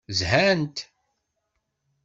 Zhant.